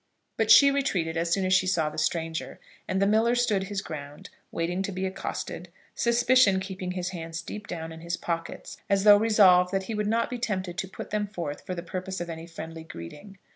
But she retreated as soon as she saw the stranger, and the miller stood his ground, waiting to be accosted, suspicion keeping his hands deep down in his pockets, as though resolved that he would not be tempted to put them forth for the purpose of any friendly greeting.